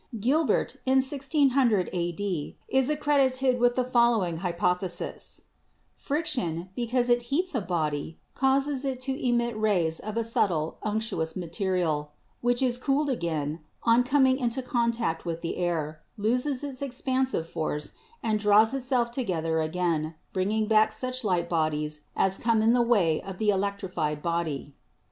Gil bert, in 1600 a.d v is accredited with the following hypothe sis : Friction, because it heats a body, causes it to emit rays of a subtle unctuous material, which is cooled agaia 142 ELECTRICITY on coming into contact with the air, loses its expansive force, and draws itself together again, bringing back such light bodies as come in the way of the electrified body.